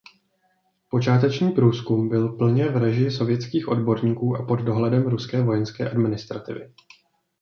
Počáteční průzkum byl plně v režii sovětských odborníků a pod dohledem ruské vojenské administrativy.